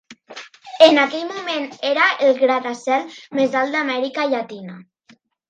En aquell moment, era el gratacel més alt d'Amèrica Llatina.